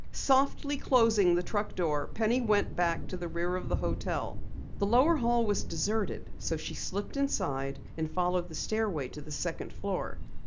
Softly closing the truck door, Penny went back to the rear of the hotel. The lower hall was deserted so she slipped inside, and followed the stairway to the second floor.